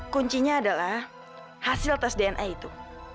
kuncinya adalah hasil tes dna itu